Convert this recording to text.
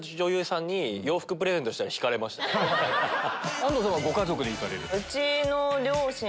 安藤さんはご家族で行かれる。